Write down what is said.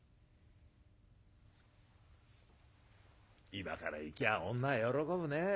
「今から行きゃ女は喜ぶね。